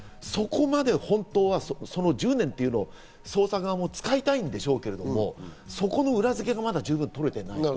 本当は１０年というのを捜査側も使いたいんでしょうけど、そこの裏付けがまだ十分取れていないと。